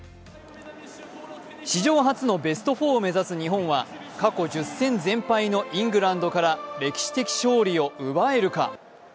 史上初のベスト４を目指す日本は、過去１０戦全敗のイングランドから歴史的勝利を奪えるか。